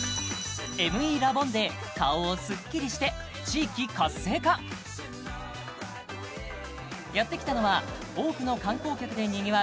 ＭＥラボンで顔をスッキリして地域活性化やってきたのは多くの観光客でにぎわう